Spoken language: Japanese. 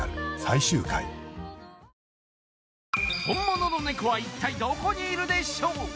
本物のネコは一体どこにいるでしょう？